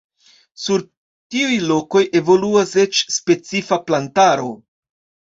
Sur tiuj lokoj evoluas eĉ specifa plantaro.